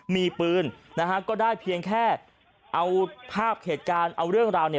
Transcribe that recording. มีปืนนะฮะก็ได้เพียงแค่เอาภาพเหตุการณ์เอาเรื่องราวเนี่ย